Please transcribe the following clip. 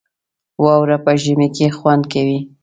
واوره په ژمي کې خوند کوي